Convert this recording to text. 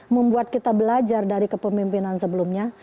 membuat kita belajar dari kepemimpinan sebelumnya